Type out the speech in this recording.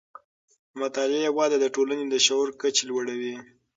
د مطالعې وده د ټولنې د شعور کچې لوړوي.